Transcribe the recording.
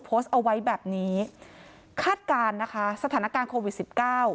ได้โพสต์เอาไว้แบบนี้คาดการณ์นะคะสถานการณ์โควิด๑๙